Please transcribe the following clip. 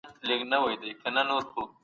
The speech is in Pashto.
لاسلیک د الزابت په زمانه پورې تړاو لري.